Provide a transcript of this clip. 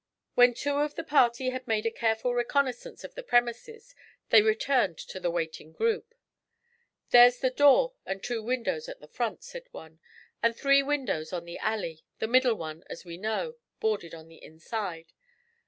When two of the party had made a careful reconnaissance of the premises they returned to the waiting group. 'There's the door and two windows at the front,' said one, 'and three windows on the alley, the middle one, as we know, boarded on the inside.